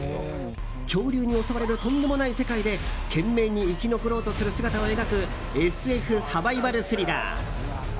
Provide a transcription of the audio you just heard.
恐竜に襲われるとんでもない世界で懸命に生き残ろうとする姿を描くＳＦサバイバルスリラー。